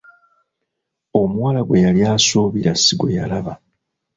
Omuwala gwe yali asuubira si gwe yalaba!